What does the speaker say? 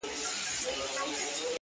د رستمانو په نکلونو به ملنډي وهي.!